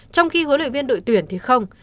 trong khi huấn luyện viên đội tuyển thì không